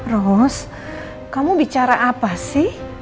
ros kamu bicara apa sih